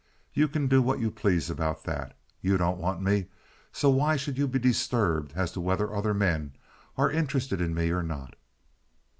You can do what you please about that. You don't want me, so why should you be disturbed as to whether other men are interested in me or not?"